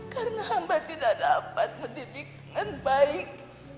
karena hamba tidak dapat mendidik dengan baik